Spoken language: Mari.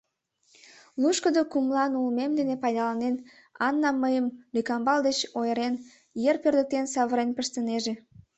Лушкыдо кумылан улмем дене пайдаланен, Анна мыйым, лӧкамбал деч ойырен, йыр пӧрдыктен савырен пыштынеже.